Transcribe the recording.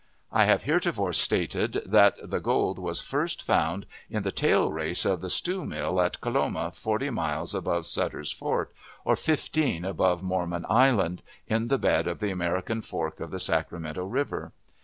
I have heretofore stated that the gold was first found in the tail race of the stew mill at Coloma, forty miles above Sutter's Fort, or fifteen above Mormon Island, in the bed of the American Fork of the Sacramento River.